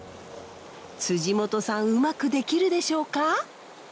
本さんうまくできるでしょうか？